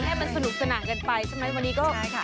ให้มันสนุกสนานกันไปใช่ไหมวันนี้ก็